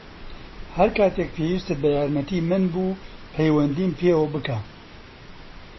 هەرکاتێک پێویستت بە یارمەتیی من بوو پەیوەندیم پێوە بکە.